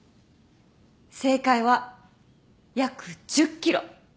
正解は約１０ｋｍ。